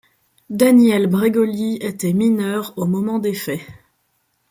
Danielle Bregoli était mineure au moment des faits.